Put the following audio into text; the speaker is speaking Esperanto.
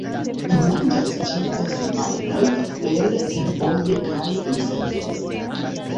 Ili manĝas ĉefe semojn el herboj kaj insektoj.